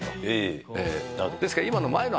ですから。